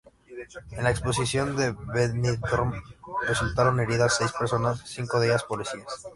En la explosión de Benidorm, resultaron heridas seis personas, cinco de ellas policías.